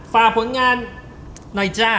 ฝากผลงานหน่อยจ้า